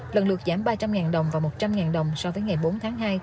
lần lượt giảm ba trăm linh đồng và một trăm linh đồng so với ngày bốn tháng hai